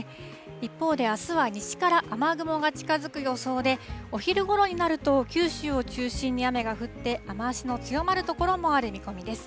一方で、あすは西から雨雲が近づく予想で、お昼ごろになると、九州を中心に雨が降って、雨足の強まる所もある見込みです。